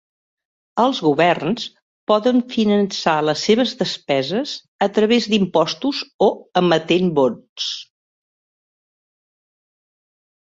Els governs poden finançar les seves despeses a través d'impostos o emetent bons.